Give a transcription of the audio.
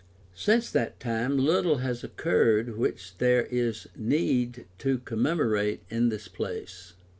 Since that time little has occurred which there is need to commemorate in this place.